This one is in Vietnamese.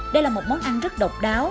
đây là một món ăn rất độc đáo